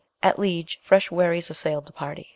At Liege, fresh worries assailed the party.